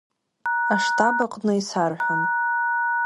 Аштаб аҟны исарҳәон.